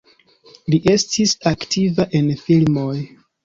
Li estis aktiva en filmoj.